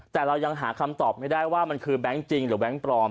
แต่เรายังหาคำตอบไม่ได้ว่ามันคือแบงค์จริงหรือแบงค์ปลอม